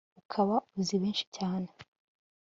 ukaba uzi benshi cyane